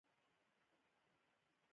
نن به ډېره ښکلی ورځ وي